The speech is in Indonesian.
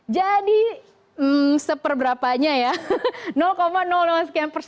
jadi seperberapanya ya